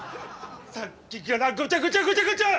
さっきからごちゃごちゃごちゃごちゃ！